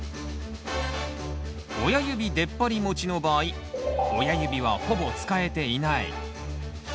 「親指でっぱり持ち」の場合親指はほぼ使えていない。